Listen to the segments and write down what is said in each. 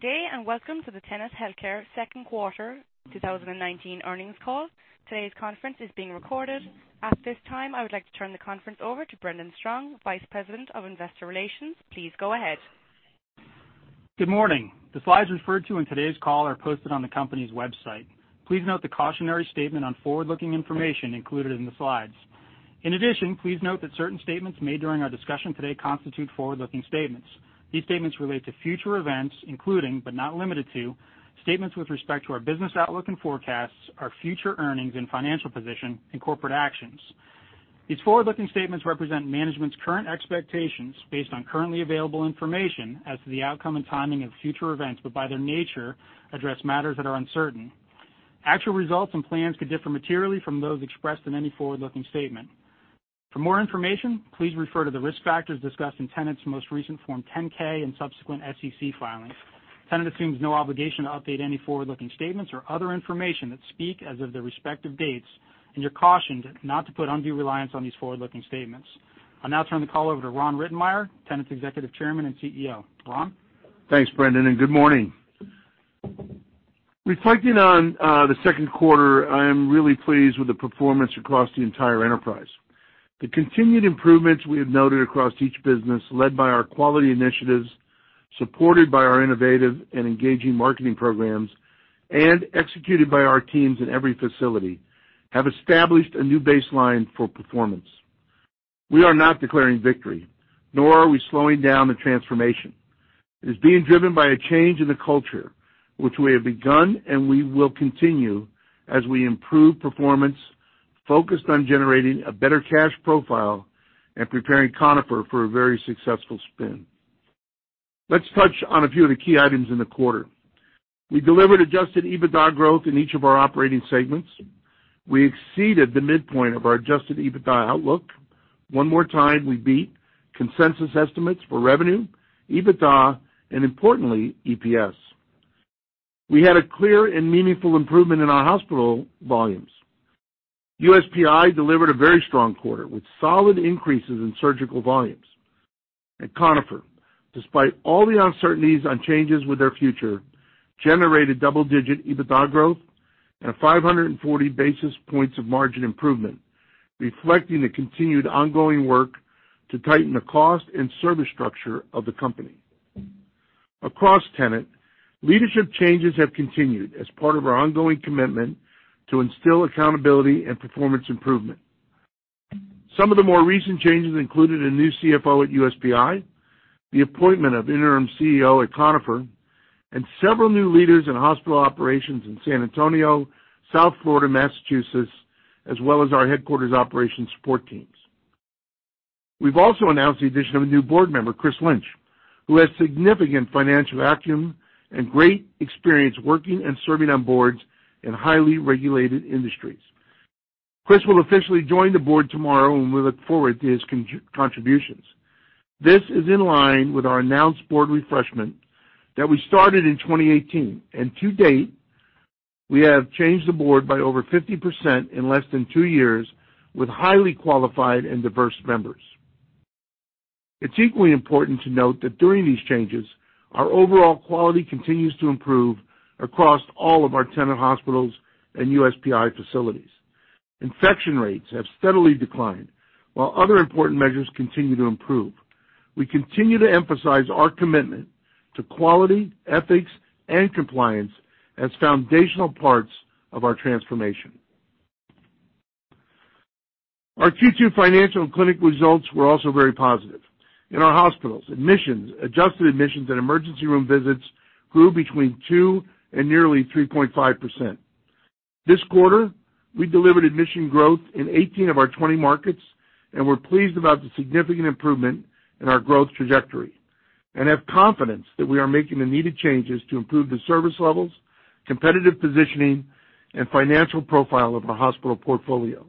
Good day, and welcome to the Tenet Healthcare second quarter 2019 earnings call. Today's conference is being recorded. At this time, I would like to turn the conference over to Brendan Strong, Vice President of Investor Relations. Please go ahead. Good morning. The slides referred to in today's call are posted on the company's website. Please note the cautionary statement on forward-looking information included in the slides. In addition, please note that certain statements made during our discussion today constitute forward-looking statements. These statements relate to future events, including, but not limited to, statements with respect to our business outlook and forecasts, our future earnings and financial position, and corporate actions. These forward-looking statements represent management's current expectations based on currently available information as to the outcome and timing of future events, but by their nature, address matters that are uncertain. Actual results and plans could differ materially from those expressed in any forward-looking statement. For more information, please refer to the risk factors discussed in Tenet's most recent Form 10-K and subsequent SEC filings. Tenet assumes no obligation to update any forward-looking statements or other information that speak as of their respective dates, and you're cautioned not to put undue reliance on these forward-looking statements. I'll now turn the call over to Ron Rittenmeyer, Tenet's Executive Chairman and CEO. Ron? Thanks, Brendan, and good morning. Reflecting on the second quarter, I am really pleased with the performance across the entire enterprise. The continued improvements we have noted across each business, led by our quality initiatives, supported by our innovative and engaging marketing programs, and executed by our teams in every facility, have established a new baseline for performance. We are not declaring victory, nor are we slowing down the transformation. It is being driven by a change in the culture, which we have begun, and we will continue as we improve performance, focused on generating a better cash profile and preparing Conifer for a very successful spin. Let's touch on a few of the key items in the quarter. We delivered adjusted EBITDA growth in each of our operating segments. We exceeded the midpoint of our adjusted EBITDA outlook. One more time, we beat consensus estimates for revenue, EBITDA, and importantly, EPS. We had a clear and meaningful improvement in our hospital volumes. USPI delivered a very strong quarter, with solid increases in surgical volumes. Conifer, despite all the uncertainties on changes with their future, generated double-digit EBITDA growth and 540 basis points of margin improvement, reflecting the continued ongoing work to tighten the cost and service structure of the company. Across Tenet, leadership changes have continued as part of our ongoing commitment to instill accountability and performance improvement. Some of the more recent changes included a new CFO at USPI, the appointment of interim CEO at Conifer, and several new leaders in hospital operations in San Antonio, South Florida, Massachusetts, as well as our headquarters operations support teams. We've also announced the addition of a new board member, Chris Lynch, who has significant financial acumen and great experience working and serving on boards in highly regulated industries. Chris will officially join the board tomorrow. We look forward to his contributions. This is in line with our announced board refreshment that we started in 2018. To date, we have changed the board by over 50% in less than two years with highly qualified and diverse members. It's equally important to note that during these changes, our overall quality continues to improve across all of our Tenet hospitals and USPI facilities. Infection rates have steadily declined, while other important measures continue to improve. We continue to emphasize our commitment to quality, ethics, and compliance as foundational parts of our transformation. Our Q2 financial and clinic results were also very positive. In our hospitals, admissions, adjusted admissions, and emergency room visits grew between 2 and nearly 3.5%. This quarter, we delivered admission growth in 18 of our 20 markets, and we're pleased about the significant improvement in our growth trajectory and have confidence that we are making the needed changes to improve the service levels, competitive positioning, and financial profile of our hospital portfolio.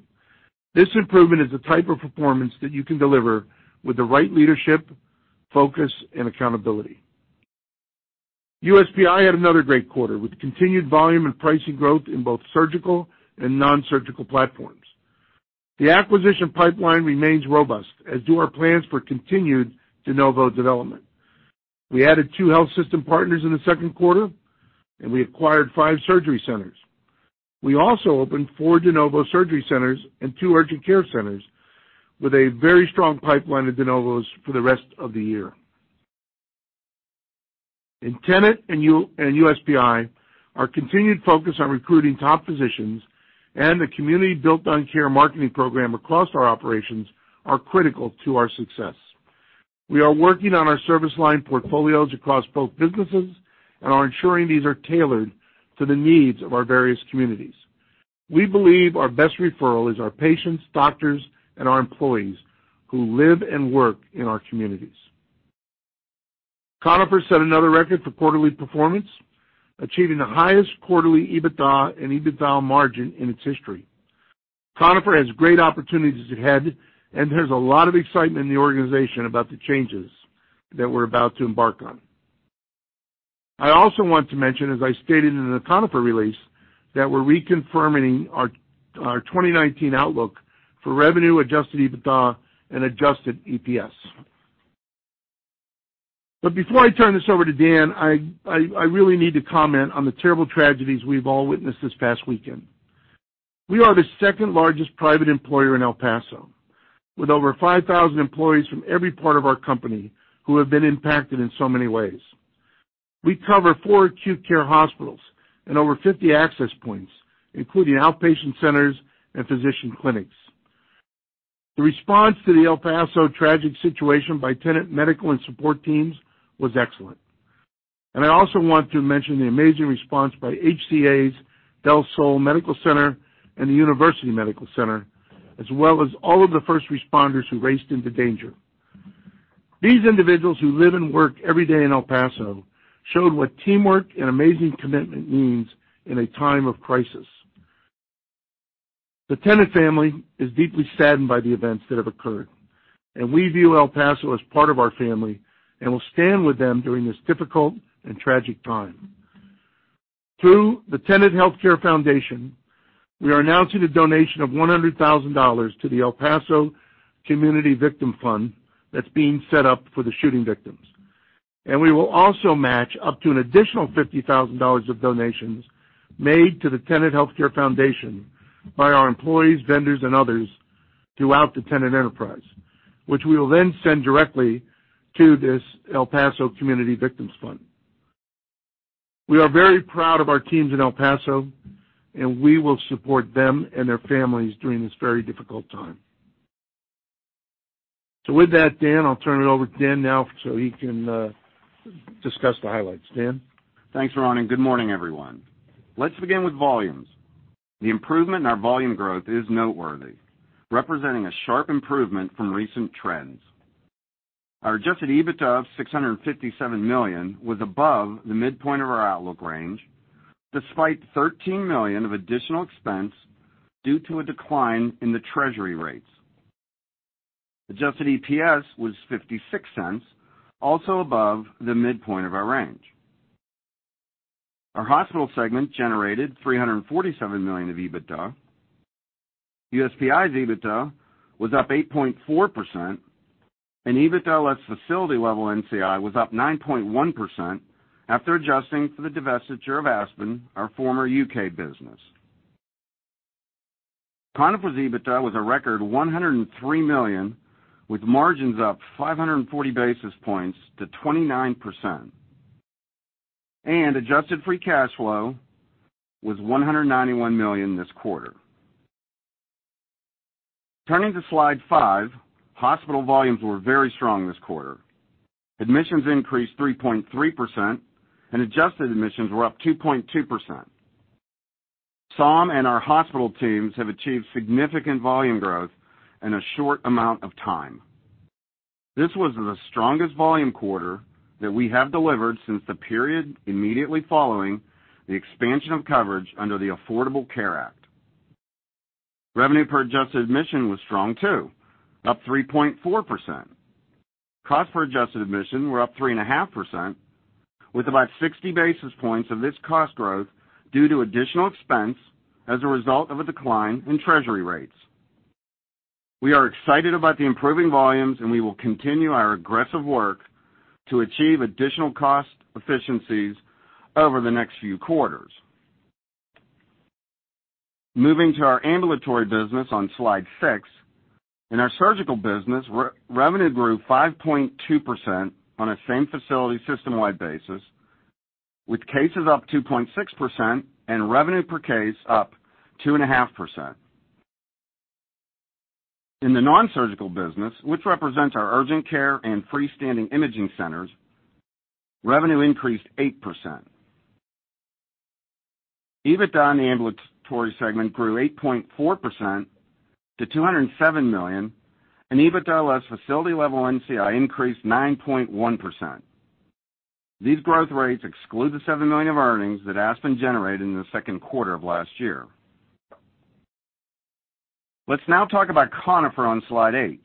USPI had another great quarter, with continued volume and pricing growth in both surgical and non-surgical platforms. The acquisition pipeline remains robust, as do our plans for continued de novo development. We added two health system partners in the second quarter, and we acquired five surgery centers. We also opened four de novo surgery centers and two urgent care centers, with a very strong pipeline of de novos for the rest of the year. In Tenet and USPI, our continued focus on recruiting top physicians and the community built on care marketing program across our operations are critical to our success. We are working on our service line portfolios across both businesses and are ensuring these are tailored to the needs of our various communities. We believe our best referral is our patients, doctors, and our employees who live and work in our communities. Conifer set another record for quarterly performance, achieving the highest quarterly EBITDA and EBITDA margin in its history. Conifer has great opportunities ahead, and there's a lot of excitement in the organization about the changes that we're about to embark on. I also want to mention, as I stated in the Conifer release. That we're reconfirming our 2019 outlook for revenue, adjusted EBITDA, and adjusted EPS. Before I turn this over to Dan, I really need to comment on the terrible tragedies we've all witnessed this past weekend. We are the second-largest private employer in El Paso, with over 5,000 employees from every part of our company who have been impacted in so many ways. We cover four acute care hospitals and over 50 access points, including outpatient centers and physician clinics. The response to the El Paso tragic situation by Tenet medical and support teams was excellent. I also want to mention the amazing response by HCA's Del Sol Medical Center and the University Medical Center, as well as all of the first responders who raced into danger. These individuals who live and work every day in El Paso showed what teamwork and amazing commitment means in a time of crisis. The Tenet family is deeply saddened by the events that have occurred, and we view El Paso as part of our family and will stand with them during this difficult and tragic time. Through the Tenet Healthcare Foundation, we are announcing a donation of $100,000 to the El Paso Community Victim Fund that is being set up for the shooting victims. We will also match up to an additional $50,000 of donations made to the Tenet Healthcare Foundation by our employees, vendors, and others throughout the Tenet enterprise, which we will then send directly to this El Paso Community Victims Fund. We are very proud of our teams in El Paso, and we will support them and their families during this very difficult time. With that, Dan, I'll turn it over to Dan now so he can discuss the highlights. Dan? Thanks, Ron. Good morning, everyone. Let's begin with volumes. The improvement in our volume growth is noteworthy, representing a sharp improvement from recent trends. Our adjusted EBITDA of $657 million was above the midpoint of our outlook range, despite $13 million of additional expense due to a decline in the treasury rates. Adjusted EPS was $0.56, also above the midpoint of our range. Our hospital segment generated $347 million of EBITDA. USPI's EBITDA was up 8.4%, and EBITDA less facility level NCI was up 9.1% after adjusting for the divestiture of Aspen, our former U.K. business. Conifer's EBITDA was a record $103 million, with margins up 540 basis points to 29%. Adjusted free cash flow was $191 million this quarter. Turning to Slide 5, hospital volumes were very strong this quarter. Admissions increased 3.3%, and adjusted admissions were up 2.2%. Saum and our hospital teams have achieved significant volume growth in a short amount of time. This was the strongest volume quarter that we have delivered since the period immediately following the expansion of coverage under the Affordable Care Act. Revenue per adjusted admission was strong, too, up 3.4%. Cost per adjusted admission were up 3.5%, with about 60 basis points of this cost growth due to additional expense as a result of a decline in treasury rates. We are excited about the improving volumes. We will continue our aggressive work to achieve additional cost efficiencies over the next few quarters. Moving to our ambulatory business on Slide six, in our surgical business, revenue grew 5.2% on a same-facility, system-wide basis, with cases up 2.6% and revenue per case up 2.5%. In the nonsurgical business, which represents our urgent care and freestanding imaging centers, revenue increased 8%. EBITDA in the ambulatory segment grew 8.4% to $207 million, and EBITDA less facility level NCI increased 9.1%. These growth rates exclude the $7 million of earnings that Aspen generated in the second quarter of last year. Let's now talk about Conifer on Slide 8.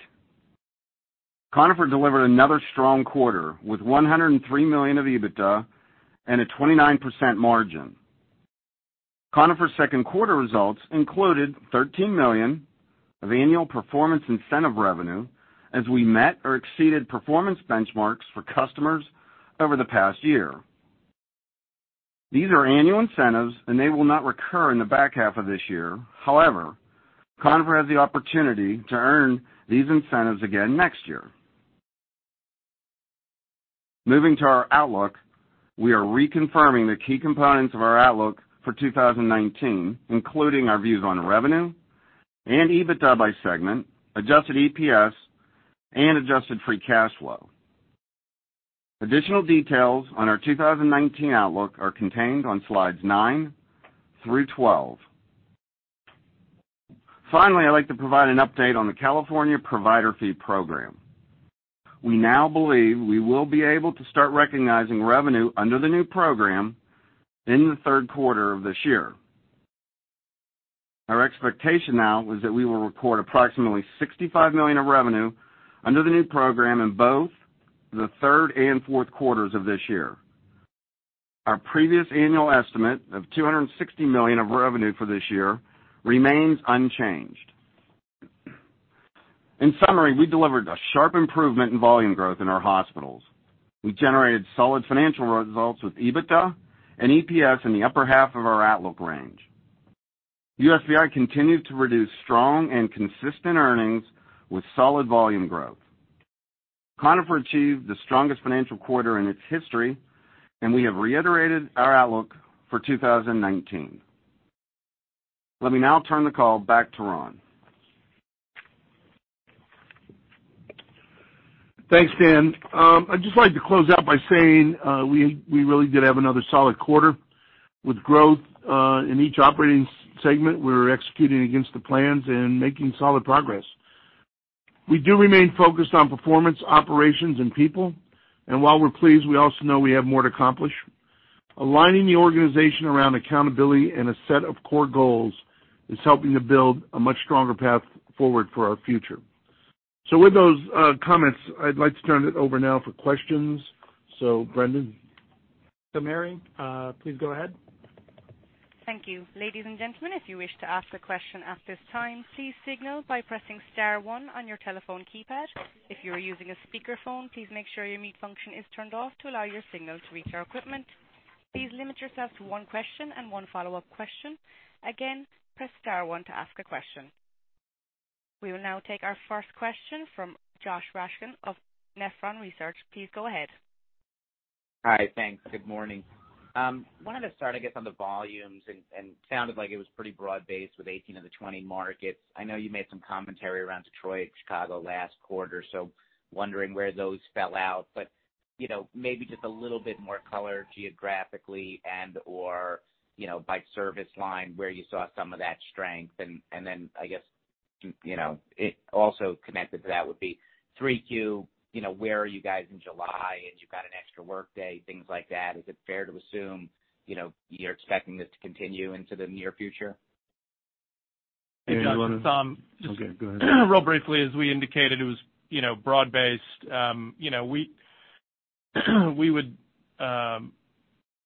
Conifer delivered another strong quarter, with $103 million of EBITDA and a 29% margin. Conifer's second quarter results included $13 million of annual performance incentive revenue as we met or exceeded performance benchmarks for customers over the past year. These are annual incentives, and they will not recur in the back half of this year. However, Conifer has the opportunity to earn these incentives again next year. Moving to our outlook, we are reconfirming the key components of our outlook for 2019, including our views on revenue and EBITDA by segment, adjusted EPS, and adjusted free cash flow. Additional details on our 2019 outlook are contained on Slides 9 through 12. Finally, I'd like to provide an update on the California Provider Fee Program. We now believe we will be able to start recognizing revenue under the new program in the third quarter of this year. Our expectation now is that we will record approximately $65 million of revenue under the new program in both the third and fourth quarters of this year. Our previous annual estimate of $260 million of revenue for this year remains unchanged. In summary, we delivered a sharp improvement in volume growth in our hospitals. We generated solid financial results with EBITDA and EPS in the upper half of our outlook range. USPI continued to produce strong and consistent earnings with solid volume growth. Conifer achieved the strongest financial quarter in its history, and we have reiterated our outlook for 2019. Let me now turn the call back to Ron. Thanks, Dan. I'd just like to close out by saying we really did have another solid quarter with growth in each operating segment. We're executing against the plans and making solid progress. We do remain focused on performance, operations, and people. While we're pleased, we also know we have more to accomplish. Aligning the organization around accountability and a set of core goals is helping to build a much stronger path forward for our future. With those comments, I'd like to turn it over now for questions. Brendan? Mary, please go ahead. Thank you. Ladies and gentlemen, if you wish to ask a question at this time, please signal by pressing star 1 on your telephone keypad. If you are using a speakerphone, please make sure your mute function is turned off to allow your signal to reach our equipment. Please limit yourself to one question and one follow-up question. Again, press star 1 to ask a question. We will now take our first question from Joshua Raskin of Nephron Research. Please go ahead. Hi. Thanks. Good morning. Wanted to start, I guess, on the volumes and sounded like it was pretty broad-based with 18 of the 20 markets. I know you made some commentary around Detroit and Chicago last quarter. Wondering where those fell out. Maybe just a little bit more color geographically and/or by service line where you saw some of that strength. I guess, also connected to that would be 3Q, where are you guys in July as you've got an extra workday, things like that. Is it fair to assume you're expecting this to continue into the near future? Hey, Josh. Hey, Josh. Okay, go ahead. Real briefly, as we indicated, it was broad-based. We would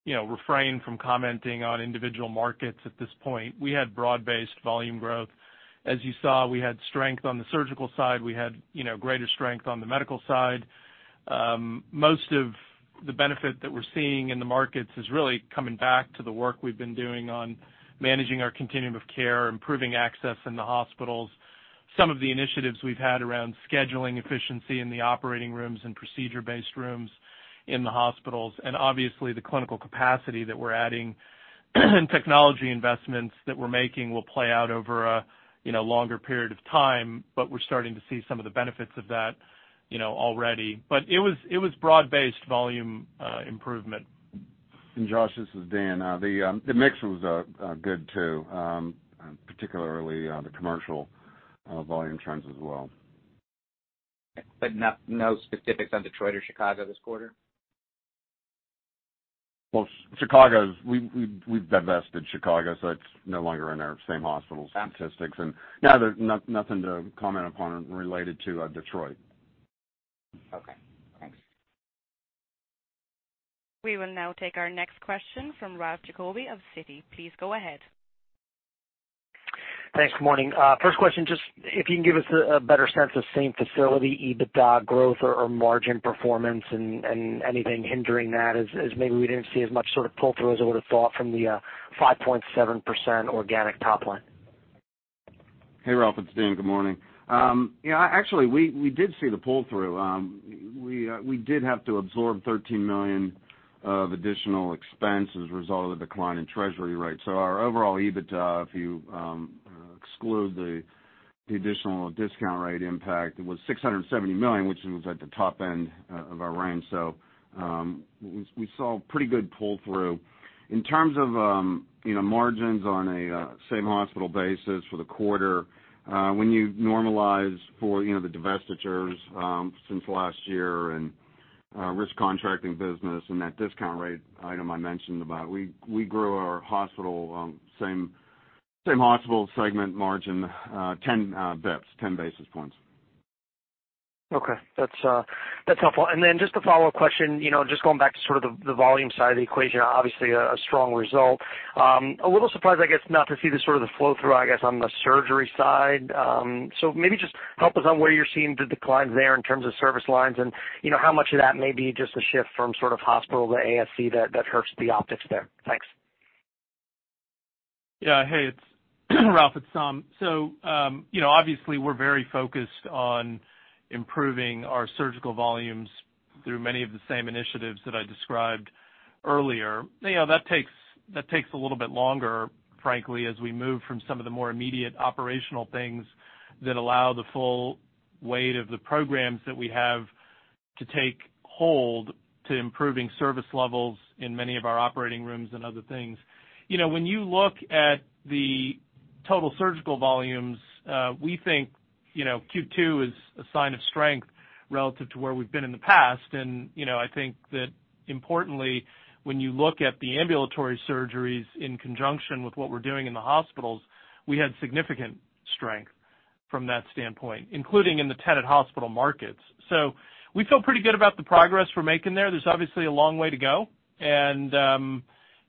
refrain from commenting on individual markets at this point. We had broad-based volume growth. As you saw, we had strength on the surgical side. We had greater strength on the medical side. Most of the benefit that we're seeing in the markets is really coming back to the work we've been doing on managing our continuum of care, improving access in the hospitals, some of the initiatives we've had around scheduling efficiency in the operating rooms and procedure-based rooms in the hospitals. Obviously, the clinical capacity that we're adding and technology investments that we're making will play out over a longer period of time. We're starting to see some of the benefits of that already. It was broad-based volume improvement. Josh, this is Dan. The mix was good, too, particularly the commercial volume trends as well. No specifics on Detroit or Chicago this quarter? Well, Chicago, we've divested Chicago, so it's no longer in our same hospital statistics. Got it. No, there's nothing to comment upon related to Detroit. Okay, thanks. We will now take our next question from Ralph Giacobbe of Citigroup. Please go ahead. Thanks. Morning. First question, just if you can give us a better sense of same-facility EBITDA growth or margin performance and anything hindering that, as maybe we didn't see as much sort of pull-through as I would've thought from the 5.7% organic top line. Hey, Ralph, it's Dan. Good morning. Yeah, actually, we did see the pull-through. We did have to absorb $13 million of additional expense as a result of the decline in Treasury rates. Our overall EBITDA, if you exclude the additional discount rate impact, it was $670 million, which was at the top end of our range. We saw pretty good pull-through. In terms of margins on a same hospital basis for the quarter, when you normalize for the divestitures since last year and risk contracting business and that discount rate item I mentioned about, we grew our same hospital segment margin 10 bips, 10 basis points. Okay. That's helpful. Just a follow-up question, just going back to sort of the volume side of the equation, obviously a strong result. A little surprised, I guess, not to see the sort of the flow-through, I guess, on the surgery side. Maybe just help us on where you're seeing the declines there in terms of service lines and how much of that may be just a shift from sort of hospital to ASC that hurts the optics there. Thanks. Hey, Ralph Giacobbe, it's Saum. Obviously we're very focused on improving our surgical volumes through many of the same initiatives that I described earlier. That takes a little bit longer, frankly, as we move from some of the more immediate operational things that allow the full weight of the programs that we have to take hold to improving service levels in many of our operating rooms and other things. When you look at the total surgical volumes, we think Q2 is a sign of strength relative to where we've been in the past. I think that importantly, when you look at the ambulatory surgeries in conjunction with what we're doing in the hospitals, we had significant strength from that standpoint, including in the Tenet hospital markets. We feel pretty good about the progress we're making there. There's obviously a long way to go. The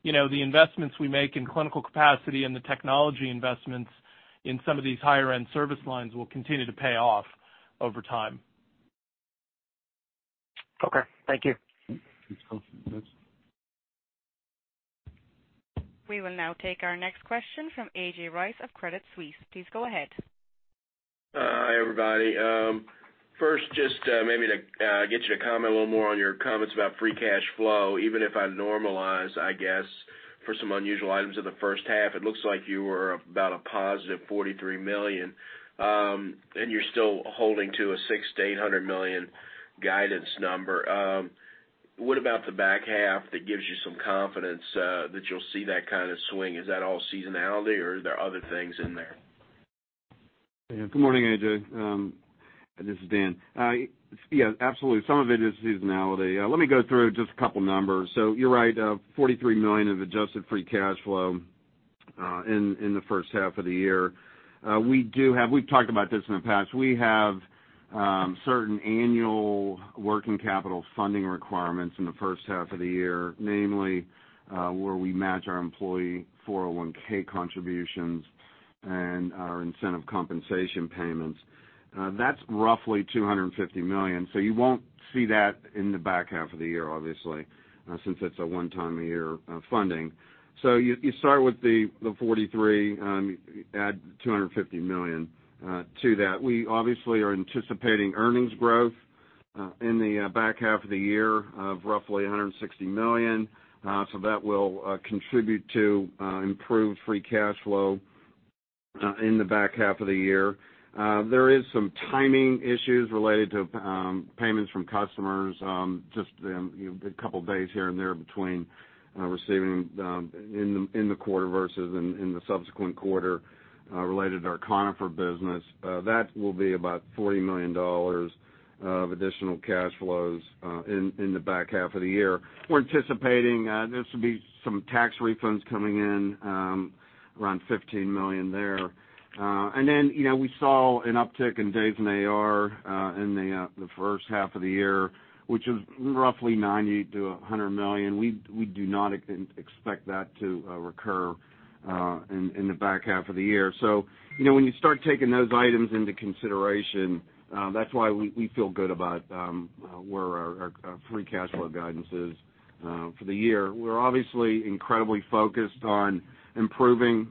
investments we make in clinical capacity and the technology investments in some of these higher-end service lines will continue to pay off over time. Okay. Thank you. We will now take our next question from A.J. Rice of Credit Suisse. Please go ahead. Hi, everybody. First, just maybe to get you to comment a little more on your comments about free cash flow. Even if I normalize, I guess, for some unusual items in the first half, it looks like you were about a positive $43 million, and you're still holding to a $600 million-$800 million guidance number. What about the back half that gives you some confidence that you'll see that kind of swing? Is that all seasonality, or are there other things in there? Good morning, A.J. This is Dan. Absolutely. Some of it is seasonality. Let me go through just a couple of numbers. You're right, $43 million of adjusted free cash flow in the first half of the year. We've talked about this in the past. We have certain annual working capital funding requirements in the first half of the year, namely where we match our employee 401K contributions and our incentive compensation payments. That's roughly $250 million. You won't see that in the back half of the year, obviously, since it's a one-time-a-year funding. You start with the $43, add $250 million to that. We obviously are anticipating earnings growth in the back half of the year of roughly $160 million. That will contribute to improved free cash flow in the back half of the year. There is some timing issues related to payments from customers, just a couple of days here and there between receiving in the quarter versus in the subsequent quarter related to our Conifer business. That will be about $40 million of additional cash flows in the back half of the year. We're anticipating there should be some tax refunds coming in, around $15 million there. Then we saw an uptick in days in AR in the first half of the year, which is roughly $90 million-$100 million. We do not expect that to recur in the back half of the year. When you start taking those items into consideration, that's why we feel good about where our free cash flow guidance is for the year. We're obviously incredibly focused on improving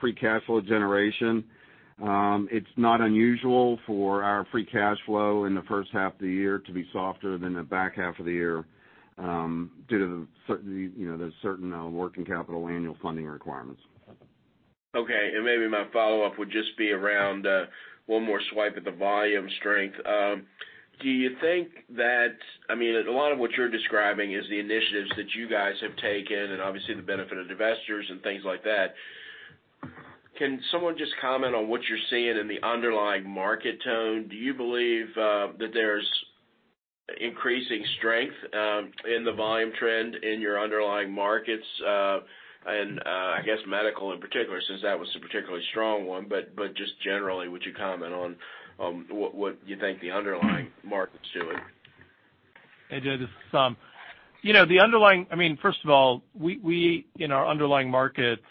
free cash flow generation. It's not unusual for our free cash flow in the first half of the year to be softer than the back half of the year due to the certain working capital annual funding requirements. Okay. Maybe my follow-up would just be around one more swipe at the volume strength. A lot of what you're describing is the initiatives that you guys have taken and obviously the benefit of investors and things like that. Can someone just comment on what you're seeing in the underlying market tone? Do you believe that there's increasing strength in the volume trend in your underlying markets? I guess medical in particular, since that was a particularly strong one, but just generally, would you comment on what you think the underlying market's doing? A.J., this is Saum. First of all, in our underlying markets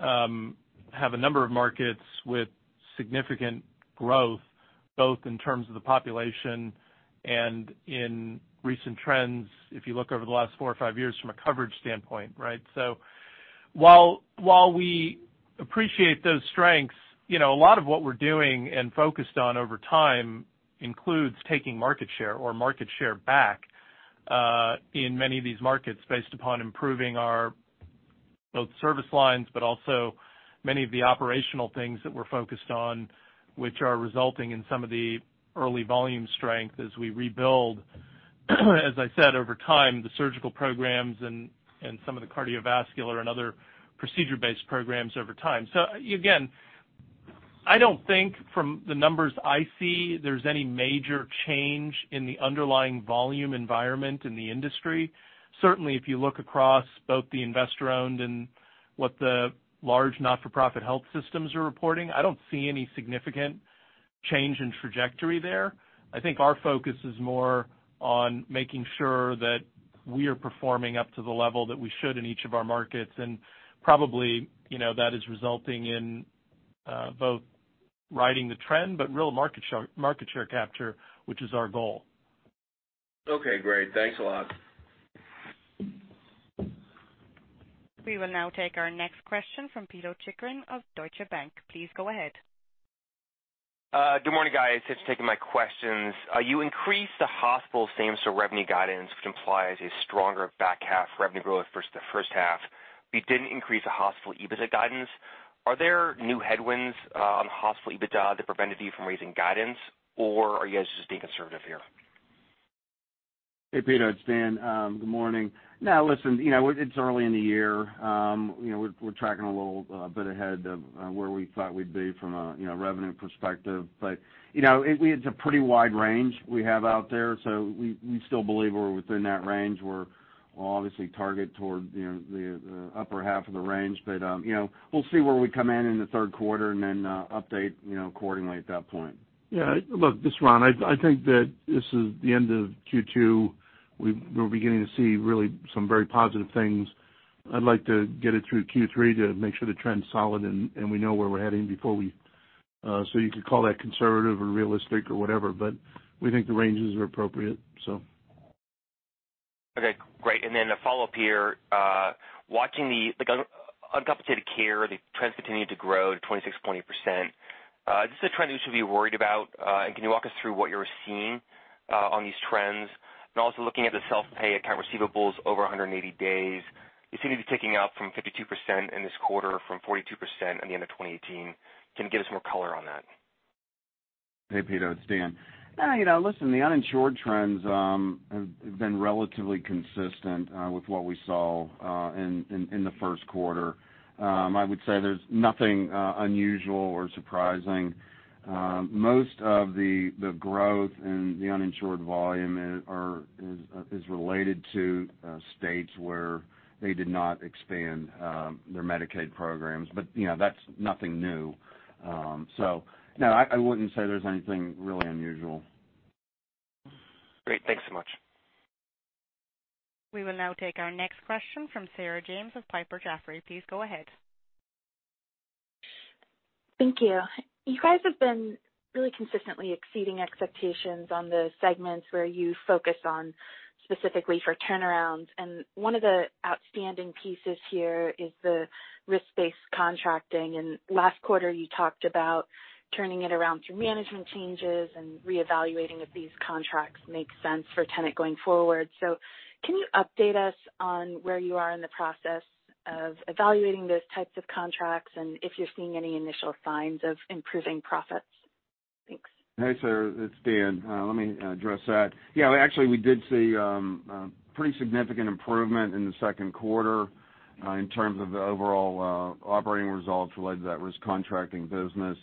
have a number of markets with significant growth, both in terms of the population and in recent trends, if you look over the last four or five years from a coverage standpoint, right. While we appreciate those strengths, a lot of what we're doing and focused on over time includes taking market share or market share back in many of these markets based upon improving our both service lines, but also many of the operational things that we're focused on, which are resulting in some of the early volume strength as we rebuild, as I said, over time, the surgical programs and some of the cardiovascular and other procedure-based programs over time. Again, I don't think from the numbers I see there's any major change in the underlying volume environment in the industry. Certainly, if you look across both the investor-owned and what the large not-for-profit health systems are reporting, I don't see any significant change in trajectory there. I think our focus is more on making sure that we are performing up to the level that we should in each of our markets. Probably, that is resulting in both riding the trend, but real market share capture, which is our goal. Okay, great. Thanks a lot. We will now take our next question from Pito Chickering of Deutsche Bank. Please go ahead. Good morning, guys. Thanks for taking my questions. You increased the hospital same-store revenue guidance, which implies a stronger back half revenue growth versus the first half, but you didn't increase the hospital EBIT guidance. Are there new headwinds on hospital EBITDA that prevented you from raising guidance, or are you guys just being conservative here? Hey, Pito, it's Dan. Good morning. Listen, it's early in the year. We're tracking a little bit ahead of where we thought we'd be from a revenue perspective. It's a pretty wide range we have out there. We still believe we're within that range. We'll obviously target toward the upper half of the range. We'll see where we come in in the third quarter then update accordingly at that point. Yeah. Look, this is Ron. I think that this is the end of Q2. We're beginning to see really some very positive things. I'd like to get it through Q3 to make sure the trend's solid and we know where we're heading. You could call that conservative or realistic or whatever, but we think the ranges are appropriate, so. Okay, great. A follow-up here. Watching the uncompensated care, the trends continue to grow at 26.8%. Is this a trend we should be worried about? Can you walk us through what you're seeing on these trends? Also looking at the self-pay account receivables over 180 days, they seem to be ticking up from 52% in this quarter from 42% at the end of 2018. Can you give us more color on that? Hey, Pito, it's Dan. Listen, the uninsured trends have been relatively consistent with what we saw in the first quarter. I would say there's nothing unusual or surprising. Most of the growth in the uninsured volume is related to states where they did not expand their Medicaid programs. That's nothing new. No, I wouldn't say there's anything really unusual. Great. Thanks so much. We will now take our next question from Sarah James of Piper Jaffray. Please go ahead. Thank you. You guys have been really consistently exceeding expectations on the segments where you focus on specifically for turnarounds. One of the outstanding pieces here is the risk-based contracting. Last quarter, you talked about turning it around through management changes and reevaluating if these contracts make sense for Tenet going forward. Can you update us on where you are in the process of evaluating those types of contracts and if you're seeing any initial signs of improving profits? Thanks. Hey, Sarah, it's Dan. Let me address that. Yeah, actually, we did see a pretty significant improvement in the second quarter in terms of the overall operating results related to that risk contracting business.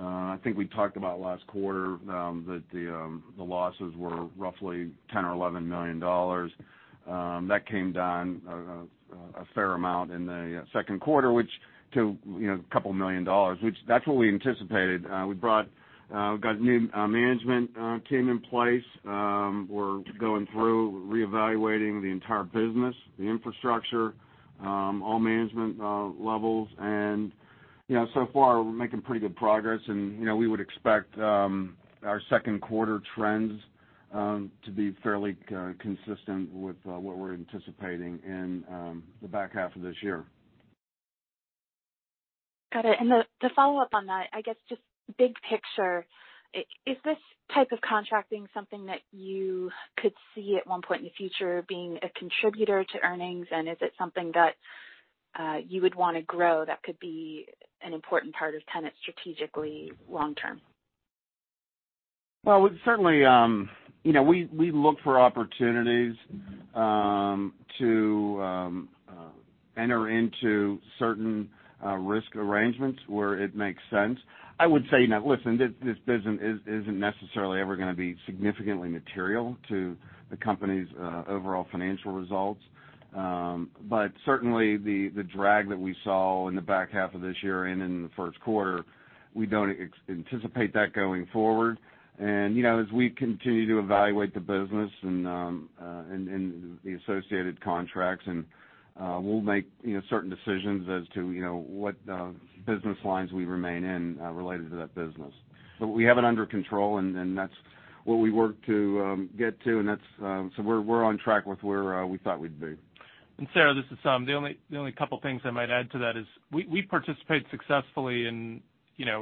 I think we talked about last quarter that the losses were roughly $10 million or $11 million. That came down a fair amount in the second quarter, to a couple million dollars, which that's what we anticipated. We got a new management team in place. We're going through reevaluating the entire business, the infrastructure, all management levels, and so far, we're making pretty good progress, and we would expect our second quarter trends to be fairly consistent with what we're anticipating in the back half of this year. Got it. The follow-up on that, I guess, just big picture, is this type of contracting something that you could see at one point in the future being a contributor to earnings? Is it something that you would want to grow that could be an important part of Tenet strategically long term? Well, certainly we look for opportunities to enter into certain risk arrangements where it makes sense. I would say, now, listen, this isn't necessarily ever going to be significantly material to the company's overall financial results. Certainly, the drag that we saw in the back half of this year and in the first quarter, we don't anticipate that going forward. As we continue to evaluate the business and the associated contracts, and we'll make certain decisions as to what business lines we remain in related to that business. We have it under control, and that's what we work to get to. We're on track with where we thought we'd be. Sarah, this is Saum. The only couple of things I might add to that is we participate successfully in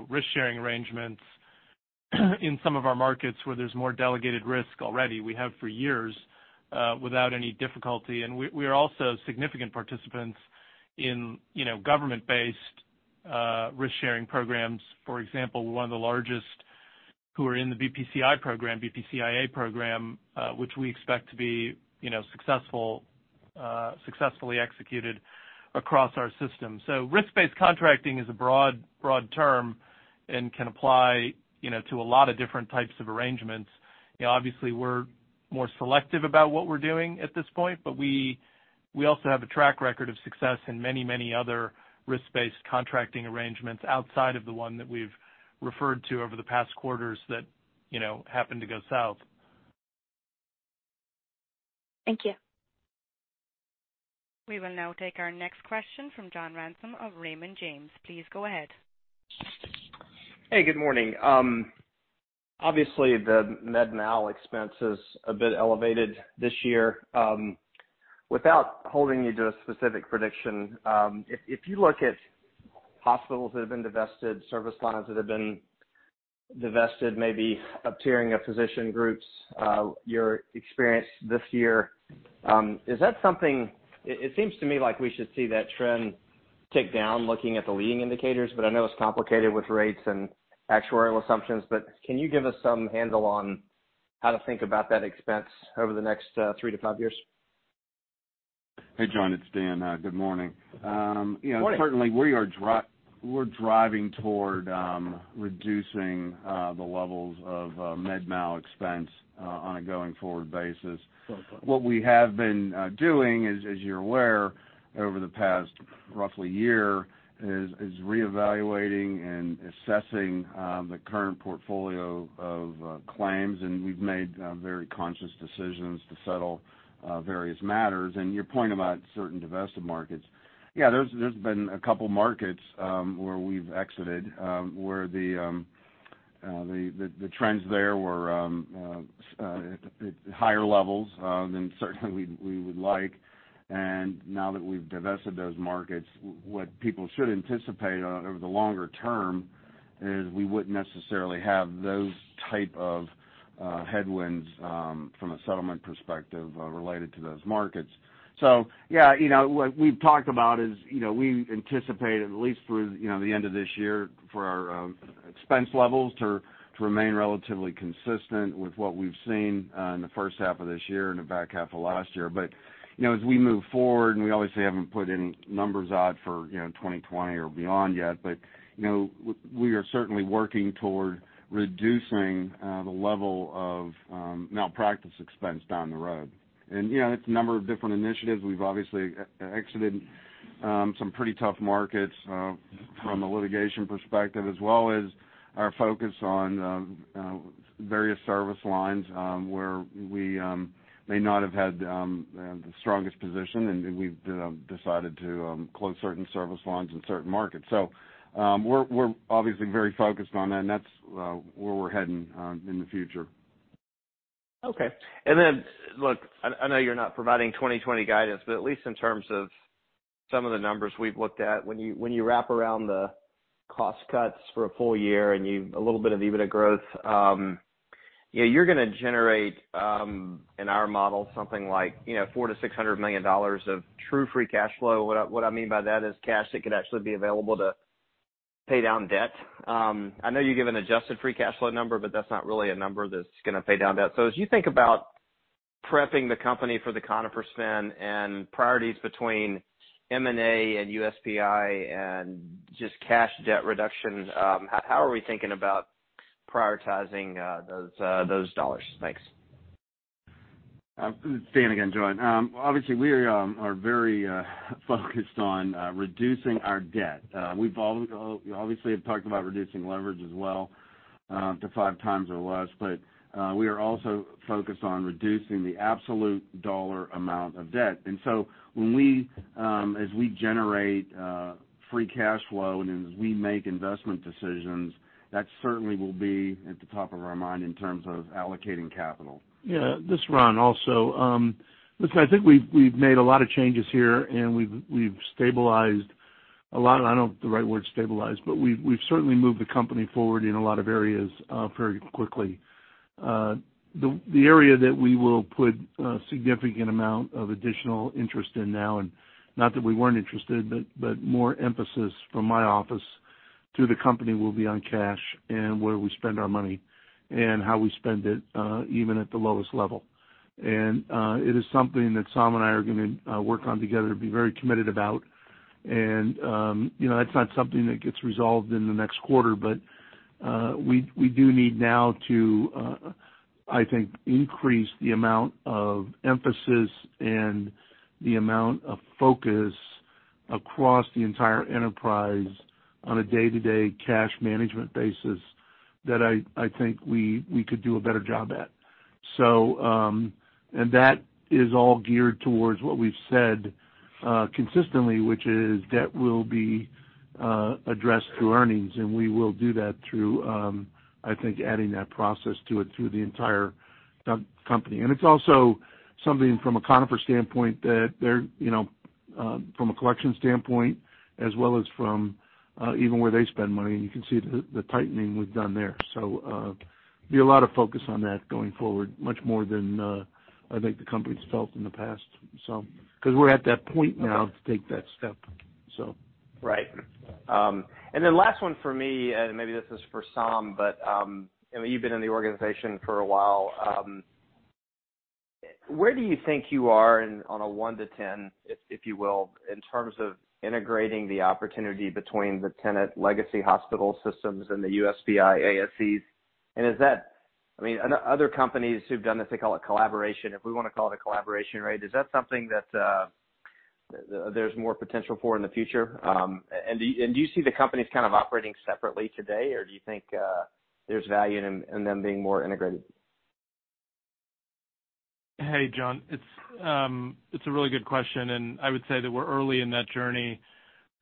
risk-sharing arrangements in some of our markets where there's more delegated risk already. We have for years without any difficulty. We are also significant participants in government-based risk-sharing programs. For example, we're one of the largest who are in the BPCI program, BPCI Advanced program, which we expect to be successfully executed across our system. Risk-based contracting is a broad term and can apply to a lot of different types of arrangements. Obviously, we're more selective about what we're doing at this point, but we also have a track record of success in many other risk-based contracting arrangements outside of the one that we've referred to over the past quarters that happened to go south. Thank you. We will now take our next question from John Ransom of Raymond James. Please go ahead. Hey, good morning. Obviously, the medmal expense is a bit elevated this year. Without holding you to a specific prediction, if you look at hospitals that have been divested, service lines that have been divested, maybe up-tiering of physician groups, your experience this year. Is that something? It seems to me like we should see that trend tick down looking at the leading indicators, but I know it's complicated with rates and actuarial assumptions. Can you give us some handle on how to think about that expense over the next three to five years? Hey, John, it's Dan. Good morning. Morning. Certainly, we're driving toward reducing the levels of medmal expense on a going forward basis. Okay. What we have been doing is, as you're aware, over the past roughly year, is reevaluating and assessing the current portfolio of claims, and we've made very conscious decisions to settle various matters. Your point about certain divested markets, yeah, there's been a couple markets where we've exited, where the trends there were at higher levels than certainly we would like. Now that we've divested those markets, what people should anticipate over the longer term is we wouldn't necessarily have those type of headwinds from a settlement perspective related to those markets. Yeah, what we've talked about is we anticipate, at least through the end of this year, for our expense levels to remain relatively consistent with what we've seen in the first half of this year and the back half of last year. As we move forward, and we obviously haven't put any numbers out for 2020 or beyond yet, but we are certainly working toward reducing the level of malpractice expense down the road. It's a number of different initiatives. We've obviously exited some pretty tough markets from a litigation perspective, as well as our focus on various service lines where we may not have had the strongest position, and we've decided to close certain service lines in certain markets. We're obviously very focused on that, and that's where we're heading in the future. Okay. Look, I know you're not providing 2020 guidance, but at least in terms of some of the numbers we've looked at, when you wrap around the cost cuts for a full year and a little bit of EBITDA growth, you're going to generate, in our model, something like $400 million to $600 million of true free cash flow. What I mean by that is cash that could actually be available to pay down debt. I know you give an adjusted free cash flow number, that's not really a number that's going to pay down debt. As you think about prepping the company for the Conifer spin and priorities between M&A and USPI and just cash debt reduction, how are we thinking about prioritizing those dollars? Thanks. Dan again, John. Obviously, we are very focused on reducing our debt. We obviously have talked about reducing leverage as well to five times or less, but we are also focused on reducing the absolute dollar amount of debt. As we generate free cash flow and as we make investment decisions, that certainly will be at the top of our mind in terms of allocating capital. Yeah. This is Ron also. Listen, I think we've made a lot of changes here, and we've stabilized a lot. I don't know if the right word's stabilize, but we've certainly moved the company forward in a lot of areas very quickly. The area that we will put a significant amount of additional interest in now, and not that we weren't interested, but more emphasis from my office through the company will be on cash and where we spend our money and how we spend it, even at the lowest level. It is something that Saum and I are going to work on together to be very committed about. It's not something that gets resolved in the next quarter, but we do need now to, I think, increase the amount of emphasis and the amount of focus across the entire enterprise on a day-to-day cash management basis that I think we could do a better job at. That is all geared towards what we've said consistently, which is debt will be addressed through earnings, and we will do that through, I think, adding that process to it through the entire company. It's also something from a Conifer standpoint that from a collection standpoint, as well as from even where they spend money, and you can see the tightening we've done there. Be a lot of focus on that going forward, much more than I think the company's felt in the past. We're at that point now to take that step. Right. Last one for me, and maybe this is for Saum, but you've been in the organization for a while. Where do you think you are on a one to 10, if you will, in terms of integrating the opportunity between the Tenet legacy hospital systems and the USPI ASCs? Other companies who've done this, they call it collaboration. If we want to call it a collaboration, is that something that there's more potential for in the future? Do you see the companies kind of operating separately today, or do you think there's value in them being more integrated? Hey, John. It's a really good question. I would say that we're early in that journey.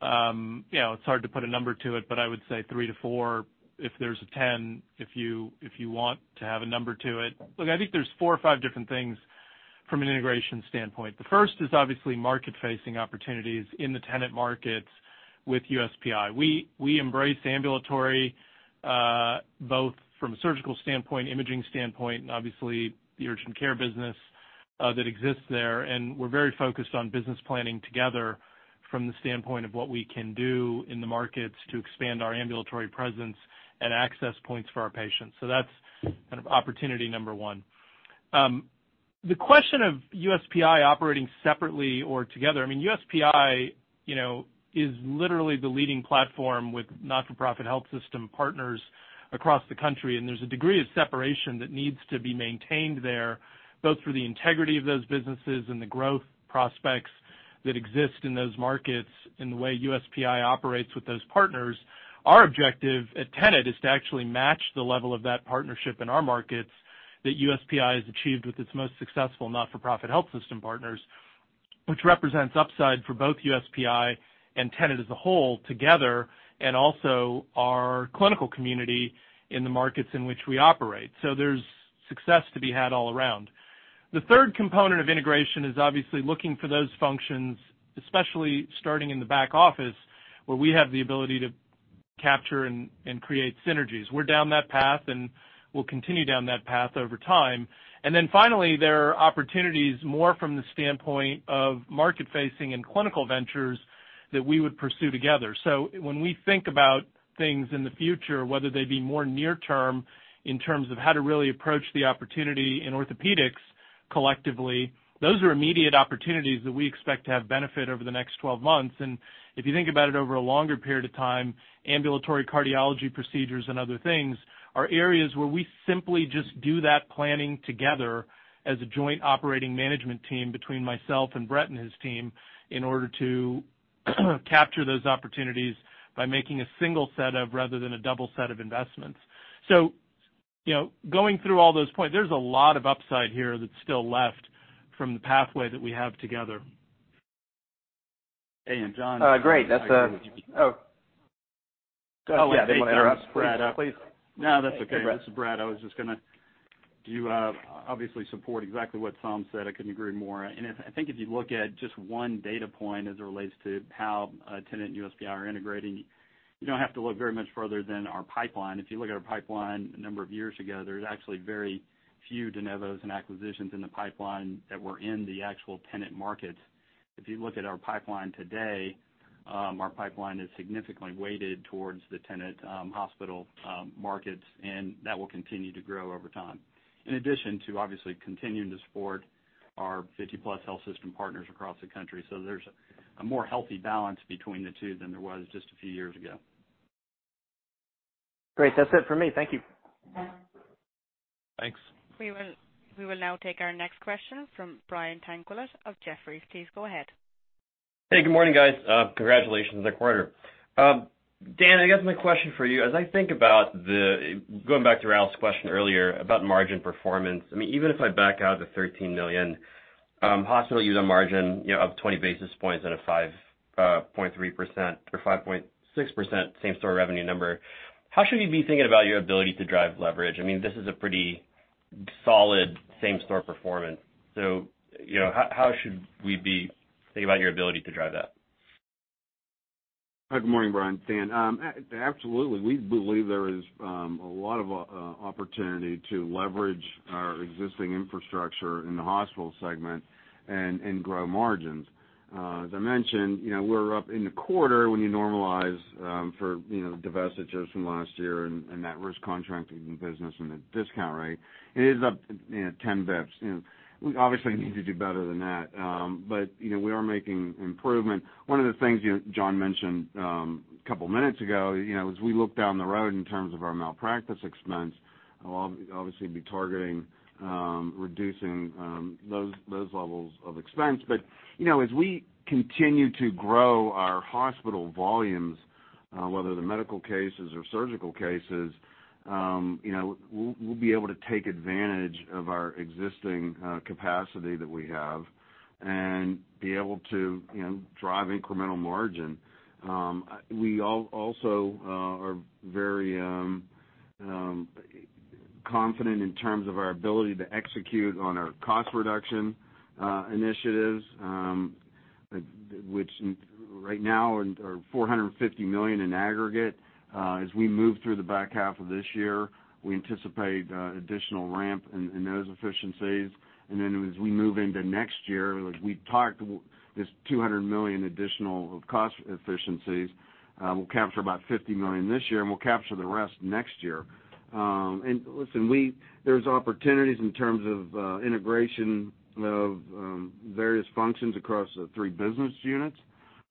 It's hard to put a number to it. I would say three to four if there's a 10, if you want to have a number to it. Look, I think there's four or five different things from an integration standpoint. The first is obviously market-facing opportunities in the Tenet markets with USPI. We embrace ambulatory both from a surgical standpoint, imaging standpoint, and obviously the urgent care business that exists there. We're very focused on business planning together from the standpoint of what we can do in the markets to expand our ambulatory presence and access points for our patients. That's opportunity number 1. The question of USPI operating separately or together, USPI, is literally the leading platform with not-for-profit health system partners across the country, and there's a degree of separation that needs to be maintained there, both for the integrity of those businesses and the growth prospects that exist in those markets, and the way USPI operates with those partners. Our objective at Tenet is to actually match the level of that partnership in our markets that USPI has achieved with its most successful not-for-profit health system partners, which represents upside for both USPI and Tenet as a whole together, and also our clinical community in the markets in which we operate. There's success to be had all around. The third component of integration is obviously looking for those functions, especially starting in the back office, where we have the ability to capture and create synergies. We're down that path and we'll continue down that path over time. Finally, there are opportunities more from the standpoint of market-facing and clinical ventures that we would pursue together. When we think about things in the future, whether they be more near term in terms of how to really approach the opportunity in orthopedics collectively, those are immediate opportunities that we expect to have benefit over the next 12 months. If you think about it over a longer period of time, ambulatory cardiology procedures and other things are areas where we simply just do that planning together as a joint operating management team between myself and Brett and his team, in order to capture those opportunities by making a single set of, rather than a double set of investments. Going through all those points, there's a lot of upside here that's still left from the pathway that we have together. John- Great. oh. Oh, I didn't mean to interrupt. Yeah, if you want to interrupt, please. No, that's okay. Hey, Brett. This is Brett. I was just going to do obviously support exactly what Tom said. I couldn't agree more. I think if you look at just one data point as it relates to how Tenet and USPI are integrating, you don't have to look very much further than our pipeline. If you look at our pipeline a number of years ago, there was actually very few de novos and acquisitions in the pipeline that were in the actual Tenet markets. If you look at our pipeline today, our pipeline is significantly weighted towards the Tenet hospital markets, and that will continue to grow over time, in addition to obviously continuing to support our 50-plus health system partners across the country. There's a more healthy balance between the two than there was just a few years ago. Great. That's it for me. Thank you. Thanks. We will now take our next question from Brian Tanquilut of Jefferies. Please go ahead. Hey, good morning, guys. Congratulations on the quarter. Dan, I guess my question for you, as I think about going back to Ralph's question earlier about margin performance, even if I back out the $13 million hospital unit margin of 20 basis points at a 5.3% or 5.6% same-store revenue number, how should we be thinking about your ability to drive leverage? This is a pretty solid same-store performance. How should we be thinking about your ability to drive that? Good morning, Brian. Dan. Absolutely. We believe there is a lot of opportunity to leverage our existing infrastructure in the hospital segment and grow margins. As I mentioned, we're up in the quarter when you normalize for divests from last year and that risk contracting business and the discount rate. It is up 10 basis points. We obviously need to do better than that. We are making improvement. One of the things John mentioned a couple of minutes ago, as we look down the road in terms of our malpractice expense, obviously be targeting reducing those levels of expense. As we continue to grow our hospital volumes, whether they're medical cases or surgical cases, we'll be able to take advantage of our existing capacity that we have and be able to drive incremental margin. We also are very confident in terms of our ability to execute on our cost reduction initiatives, which right now are $450 million in aggregate. We move through the back half of this year, we anticipate additional ramp in those efficiencies. We move into next year, we talked this $200 million additional cost efficiencies. We'll capture about $50 million this year, and we'll capture the rest next year. Listen, there's opportunities in terms of integration of various functions across the three business units.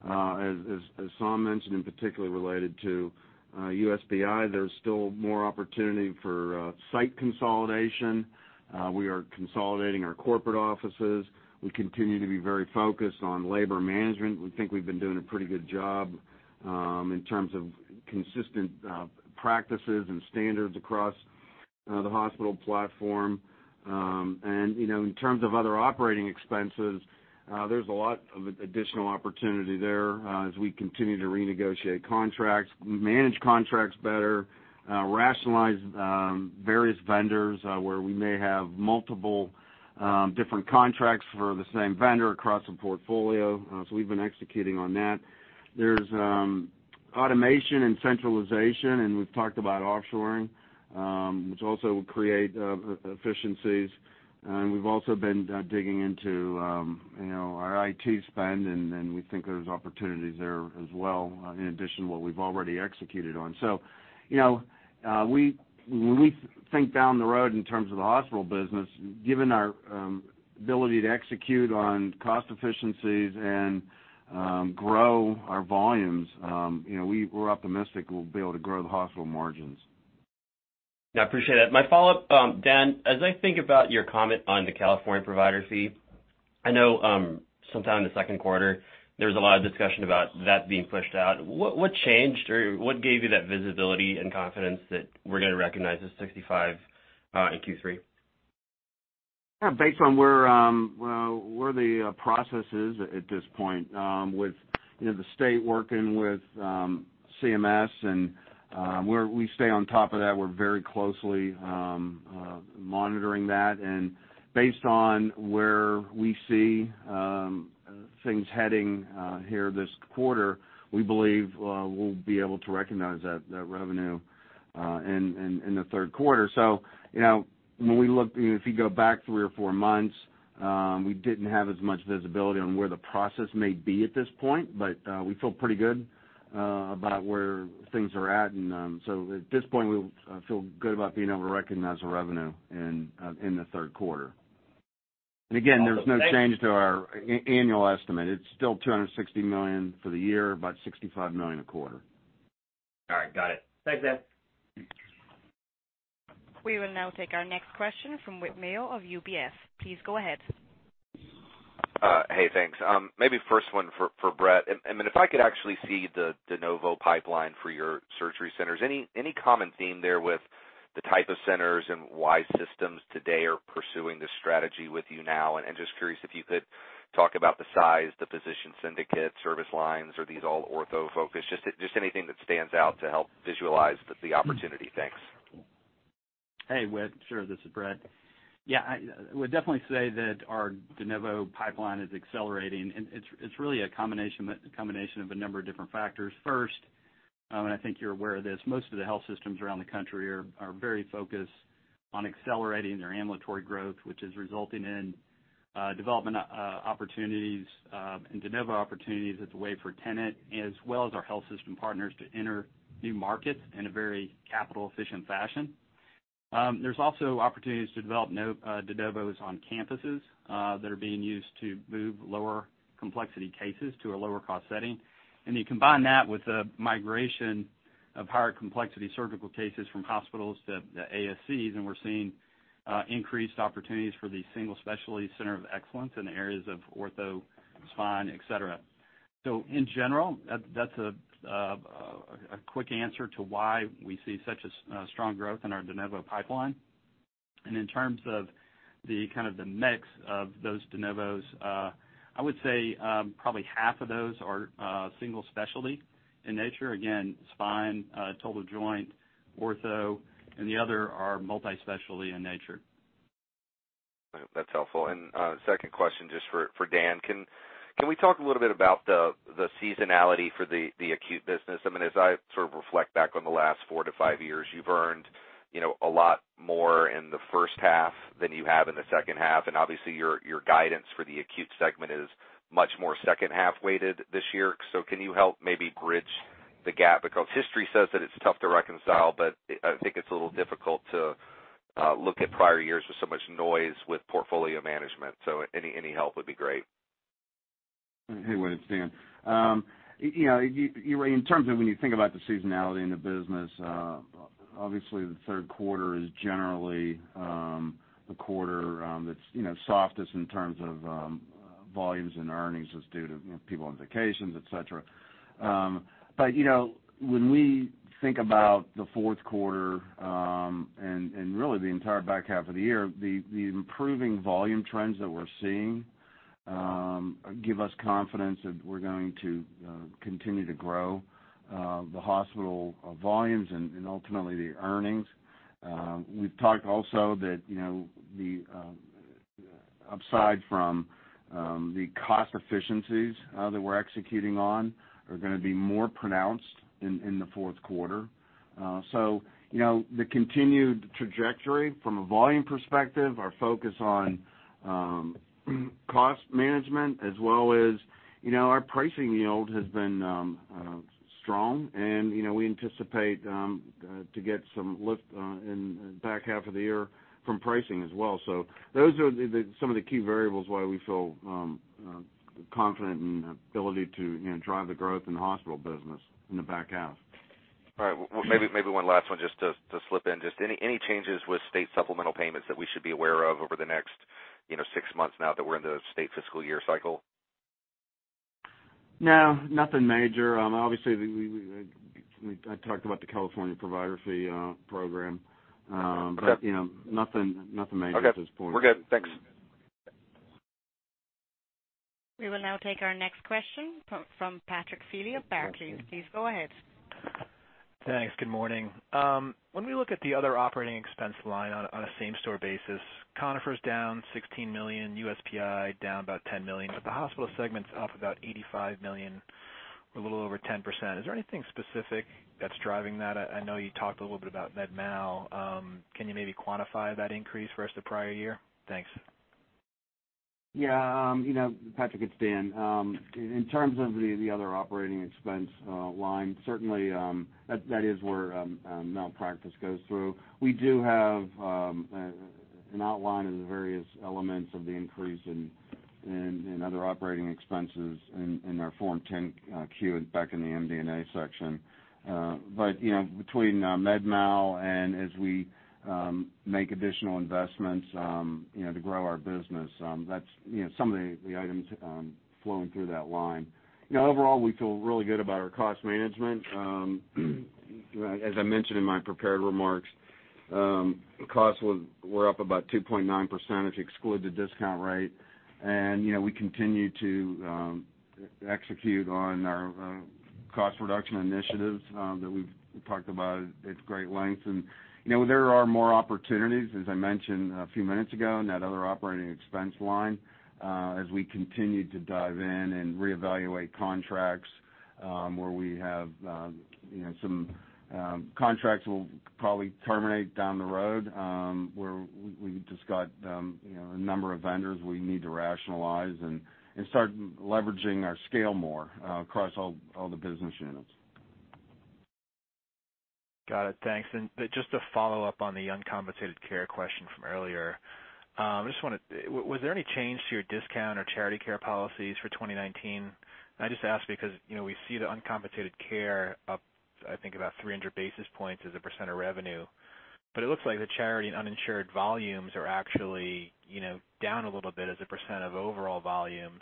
Tom mentioned, in particular related to USPI, there's still more opportunity for site consolidation. We are consolidating our corporate offices. We continue to be very focused on labor management. We think we've been doing a pretty good job in terms of consistent practices and standards across the hospital platform. In terms of other operating expenses, there's a lot of additional opportunity there as we continue to renegotiate contracts, manage contracts better, rationalize various vendors where we may have multiple different contracts for the same vendor across the portfolio. We've been executing on that. Automation and centralization, we've talked about offshoring, which also will create efficiencies. We've also been digging into our IT spend, and we think there's opportunities there as well, in addition to what we've already executed on. When we think down the road in terms of the hospital business, given our ability to execute on cost efficiencies and grow our volumes, we're optimistic we'll be able to grow the hospital margins. Yeah, appreciate it. My follow-up, Dan, as I think about your comment on the California Provider Fee, I know sometime in the second quarter, there was a lot of discussion about that being pushed out. What changed, or what gave you that visibility and confidence that we're going to recognize this $65 in Q3? Based on where the process is at this point with the state working with CMS and we stay on top of that. We're very closely monitoring that. Based on where we see things heading here this quarter, we believe we'll be able to recognize that revenue in the third quarter. If you go back three or four months, we didn't have as much visibility on where the process may be at this point, but we feel pretty good about where things are at. At this point, we feel good about being able to recognize the revenue in the third quarter. Again, there's no change to our annual estimate. It's still $260 million for the year, about $65 million a quarter. All right. Got it. Thanks, Dan. We will now take our next question from Whit Mayo of UBS. Please go ahead. Hey, thanks. Maybe first one for Brett. If I could actually see the de novo pipeline for your surgery centers, any common theme there with the type of centers and why systems today are pursuing this strategy with you now? Just curious if you could talk about the size, the physician syndicates, service lines. Are these all ortho-focused? Just anything that stands out to help visualize the opportunity. Thanks. Hey, Whit. Sure. This is Brett. Yeah, I would definitely say that our de novo pipeline is accelerating, and it's really a combination of a number of different factors. First, and I think you're aware of this, most of the health systems around the country are very focused on accelerating their ambulatory growth, which is resulting in development opportunities and de novo opportunities as a way for Tenet, as well as our health system partners, to enter new markets in a very capital-efficient fashion. There's also opportunities to develop de novos on campuses that are being used to move lower complexity cases to a lower cost setting. You combine that with the migration of higher complexity surgical cases from hospitals to ASCs, and we're seeing increased opportunities for the single specialty center of excellence in areas of ortho, spine, et cetera. In general, that's a quick answer to why we see such a strong growth in our de novo pipeline. In terms of the kind of the mix of those de novos, I would say probably half of those are single specialty in nature. Again, spine, total joint, ortho, and the other are multi-specialty in nature. That's helpful. Second question, just for Dan. Can we talk a little bit about the seasonality for the acute business? As I sort of reflect back on the last four to five years, you've earned a lot more in the first half than you have in the second half, and obviously, your guidance for the acute segment is much more second half weighted this year. Can you help maybe bridge the gap? History says that it's tough to reconcile, I think it's a little difficult to look at prior years with so much noise with portfolio management, any help would be great. Hey, Whit. It's Dan. In terms of when you think about the seasonality in the business, obviously the third quarter is generally the quarter that's softest in terms of volumes and earnings as due to people on vacations, et cetera. When we think about the fourth quarter, and really the entire back half of the year, the improving volume trends that we're seeing give us confidence that we're going to continue to grow the hospital volumes and ultimately the earnings. We've talked also that the upside from the cost efficiencies that we're executing on are going to be more pronounced in the fourth quarter. The continued trajectory from a volume perspective, our focus on cost management as well as our pricing yield has been strong, and we anticipate to get some lift in the back half of the year from pricing as well. Those are some of the key variables why we feel confident in the ability to drive the growth in the hospital business in the back half. All right. Maybe one last one just to slip in. Any changes with state supplemental payments that we should be aware of over the next six months now that we're in the state fiscal year cycle? No, nothing major. Obviously, I talked about the California Provider Fee Program. Okay. Nothing major at this point. Okay. We're good. Thanks. We will now take our next question from Pito Chickering of Barclays. Please go ahead. Thanks. Good morning. When we look at the other operating expense line on a same-store basis, Conifer's down $16 million, USPI down about $10 million, but the hospital segment's up about $85 million, or a little over 10%. Is there anything specific that's driving that? I know you talked a little bit about medmal. Can you maybe quantify that increase versus the prior year? Thanks. Yeah. Pito, it's Dan. In terms of the other operating expense line, certainly, that is where malpractice goes through. We do have an outline of the various elements of the increase in other operating expenses in our Form 10-Q back in the MD&A section. Between medmal and as we make additional investments to grow our business, that's some of the items flowing through that line. Overall, we feel really good about our cost management. As I mentioned in my prepared remarks, costs were up about 2.9% if you exclude the discount rate. We continue to execute on our cost reduction initiatives that we've talked about at great length. There are more opportunities, as I mentioned a few minutes ago, in that other operating expense line as we continue to dive in and reevaluate contracts where we have some contracts we'll probably terminate down the road, where we just got a number of vendors we need to rationalize and start leveraging our scale more across all the business units. Got it. Thanks. Just to follow up on the uncompensated care question from earlier, was there any change to your discount or charity care policies for 2019? I just ask because we see the uncompensated care up, I think, about 300 basis points as a percent of revenue. It looks like the charity and uninsured volumes are actually down a little bit as a percent of overall volume.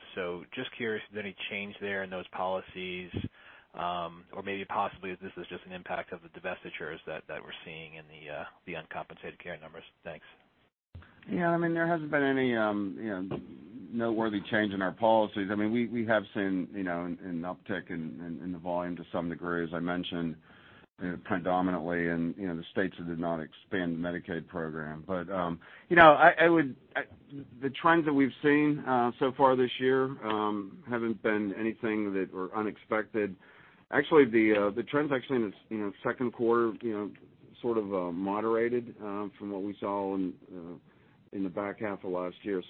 Just curious if there's any change there in those policies, or maybe possibly if this is just an impact of the divestitures that we're seeing in the uncompensated care numbers. Thanks. Yeah. There hasn't been any noteworthy change in our policies. We have seen an uptick in the volume to some degree, as I mentioned, predominantly in the states that did not expand the Medicaid program. The trends that we've seen so far this year haven't been anything that were unexpected. Actually, the trends actually in the second quarter sort of moderated from what we saw in the back half of last year.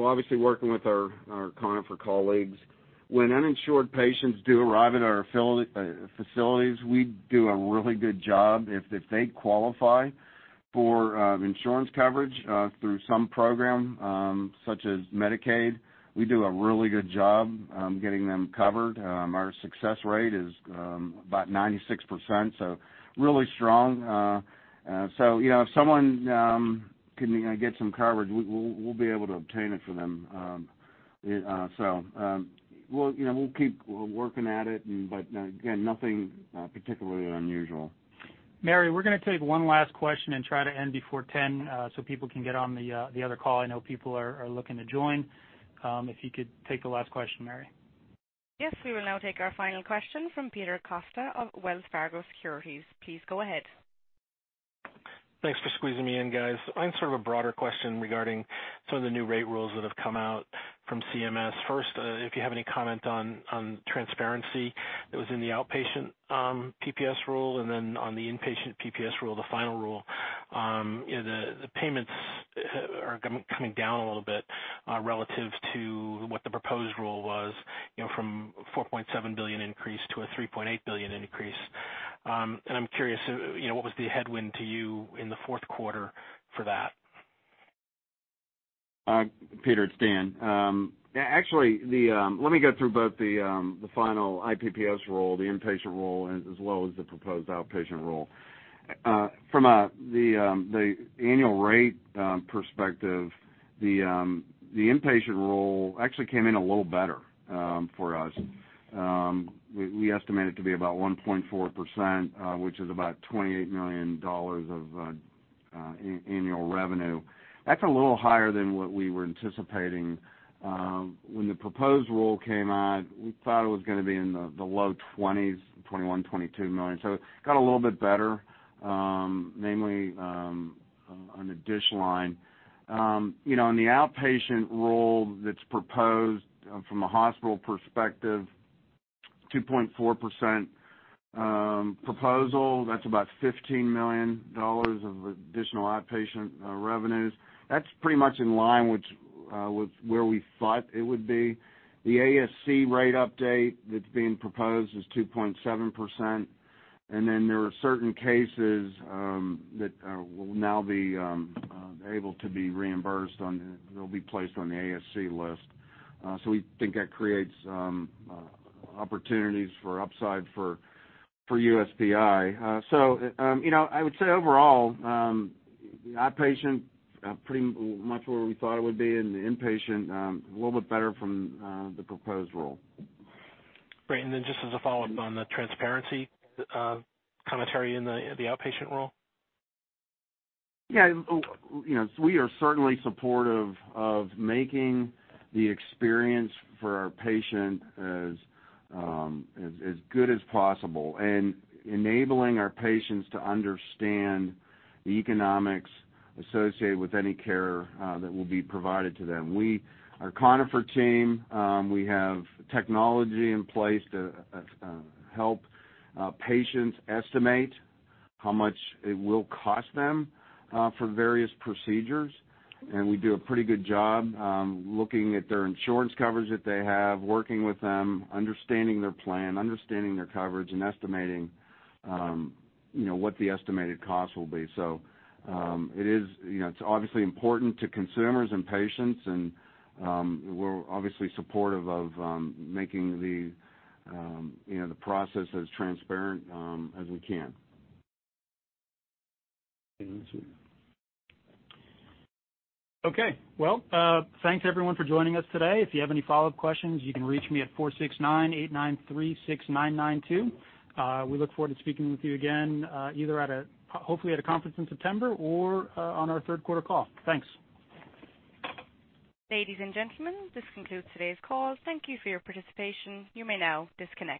Obviously, working with our Conifer colleagues. When uninsured patients do arrive at our facilities, we do a really good job. If they qualify for insurance coverage through some program such as Medicaid, we do a really good job getting them covered. Our success rate is about 96%, so really strong. If someone can get some coverage, we'll be able to obtain it for them. We'll keep working at it, but again, nothing particularly unusual. Mary, we're going to take one last question and try to end before 10 so people can get on the other call. I know people are looking to join. If you could take the last question, Mary. Yes. We will now take our final question from Peter Costa of Wells Fargo Securities. Please go ahead. Thanks for squeezing me in, guys. Sort of a broader question regarding some of the new rate rules that have come out from CMS. If you have any comment on transparency that was in the outpatient PPS rule, on the inpatient PPS rule, the final rule. The payments are coming down a little bit relative to what the proposed rule was from a $4.7 billion increase to a $3.8 billion increase. I'm curious, what was the headwind to you in the fourth quarter for that? Peter, it's Dan. Actually, let me go through both the final IPPS Rule, the inpatient rule, as well as the proposed outpatient rule. From the annual rate perspective, the inpatient rule actually came in a little better for us. We estimate it to be about 1.4%, which is about $28 million of annual revenue. That's a little higher than what we were anticipating. When the proposed rule came out, we thought it was going to be in the low 20s, $21 million, $22 million. It got a little bit better, namely on the DSH line. In the outpatient rule that's proposed from a hospital perspective, 2.4% proposal. That's about $15 million of additional outpatient revenues. That's pretty much in line with where we thought it would be. The ASC rate update that's being proposed is 2.7%, and then there are certain cases that will now be able to be reimbursed and will be placed on the ASC list. We think that creates opportunities for upside for USPI. I would say overall, the outpatient, pretty much where we thought it would be, and the inpatient, a little bit better from the proposed rule. Great. Just as a follow-up on the transparency commentary in the outpatient rule. We are certainly supportive of making the experience for our patient as good as possible and enabling our patients to understand the economics associated with any care that will be provided to them. Our Conifer team, we have technology in place to help patients estimate how much it will cost them for various procedures, and we do a pretty good job looking at their insurance coverage that they have, working with them, understanding their plan, understanding their coverage, and estimating what the estimated cost will be. It's obviously important to consumers and patients, and we're obviously supportive of making the process as transparent as we can. Okay. Well, thanks everyone for joining us today. If you have any follow-up questions, you can reach me at 469-893-6992. We look forward to speaking with you again, either hopefully at a conference in September or on our third quarter call. Thanks. Ladies and gentlemen, this concludes today's call. Thank you for your participation. You may now disconnect.